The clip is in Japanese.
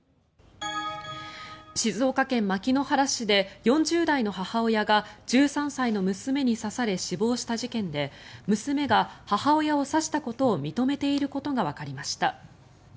静岡県牧之原市で４０代の母親が１３歳の娘に刺され死亡した事件で娘が母親を刺したことを認めていることがわかりました。